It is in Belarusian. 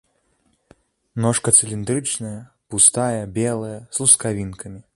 Ножка цыліндрычная, пустая, белая, з лускавінкамі.